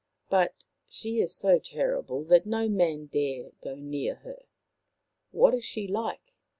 But she is so terrible that no man dare go near her." " What is she like